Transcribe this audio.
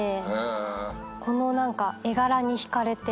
この何か絵柄に引かれて買いました。